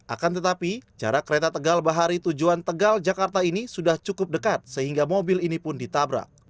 akan tetapi jarak kereta tegal bahari tujuan tegal jakarta ini sudah cukup dekat sehingga mobil ini pun ditabrak